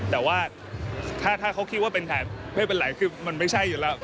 แต่ว่าถ้าเขาคิดว่าเป็นแผนไม่เป็นไรคือมันไม่ใช่อยู่แล้ว